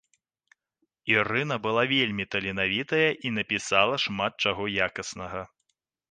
Ірына была вельмі таленавітая і напісала шмат чаго якаснага.